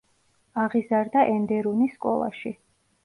აღიზარდა ენდერუნის სკოლაში.